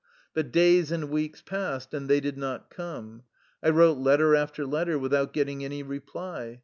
But days and weeks passed, and they did not come. I wrote letter after letter, without get ting any reply.